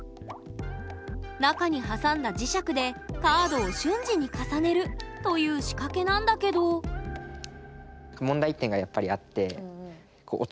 中に挟んだ磁石でカードを瞬時に重ねるという仕掛けなんだけど問題点がやっぱりあって。